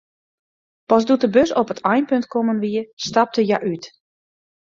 Pas doe't de bus op it einpunt kommen wie, stapte hja út.